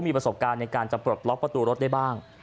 มีประสบการณ์ในการจะปลดล็อกประตูรถได้บ้าง